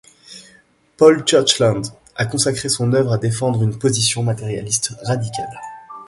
Paul Churchland a consacré son œuvre à défendre une position matérialiste radicale.